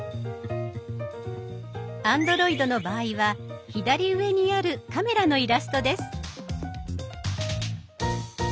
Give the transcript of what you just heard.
Ａｎｄｒｏｉｄの場合は左上にあるカメラのイラストです。